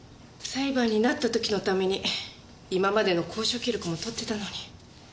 裁判になった時のために今までの交渉記録も取ってたのに。